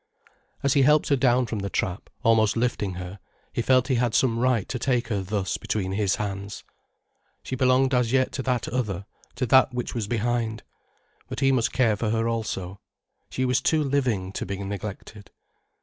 As he helped her down from the trap, almost lifting her, he felt he had some right to take her thus between his hands. She belonged as yet to that other, to that which was behind. But he must care for her also. She was too living to be neglected.